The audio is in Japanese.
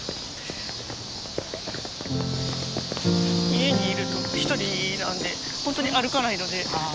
家にいると一人なんでほんとに歩かないので。